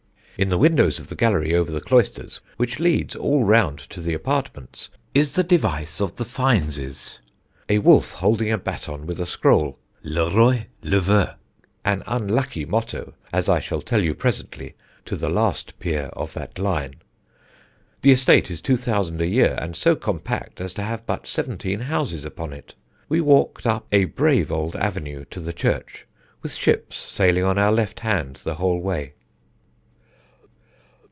In the windows of the gallery over the cloisters, which leads all round to the apartments, is the device of the Fienneses, a wolf holding a baton with a scroll, Le roy le veut an unlucky motto, as I shall tell you presently, to the last peer of that line. The estate is two thousand a year, and so compact as to have but seventeen houses upon it. We walked up a brave old avenue to the church, with ships sailing on our left hand the whole way."